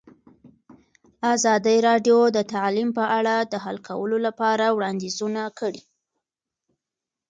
ازادي راډیو د تعلیم په اړه د حل کولو لپاره وړاندیزونه کړي.